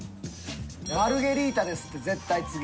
マルゲリータですって絶対次。